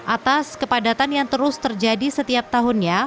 atas kepadatan yang terus terjadi setiap tahunnya